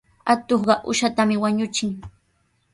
Atuqqa uushatami wañuchin.